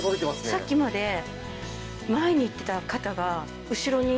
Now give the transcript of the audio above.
さっきまで前にいってた肩が後ろに。